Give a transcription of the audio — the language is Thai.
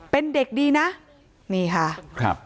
เป็นเด็กดีนะ